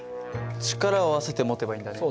力を合わせて持てばいいんだね。